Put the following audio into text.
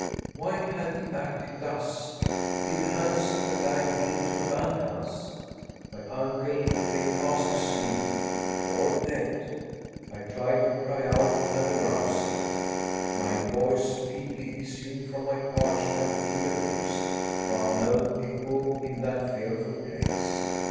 Why had he acted thus? Did Hans the guide mean to abandon us? My uncle lay fast asleep or dead. I tried to cry out, and arouse him. My voice, feebly issuing from my parched and fevered lips, found no echo in that fearful place.